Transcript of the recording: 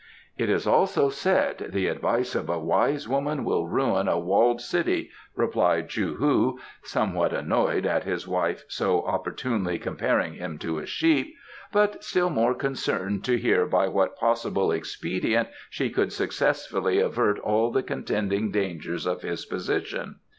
"It is also said: 'The advice of a wise woman will ruin a walled city,'" replied Chou hu, somewhat annoyed at his wife so opportunely comparing him to a sheep, but still more concerned to hear by what possible expedient she could successfully avert all the contending dangers of his position.